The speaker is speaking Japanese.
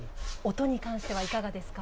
音に関してはいかがですか？